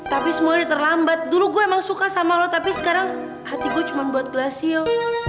tapi semuanya udah terlambat dulu gue emang suka sama lo tapi sekarang hati gue cuma buat glassio